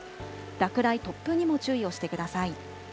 落雷、突風にも注意をしてください。